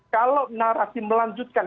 kalau narasi melanjutkan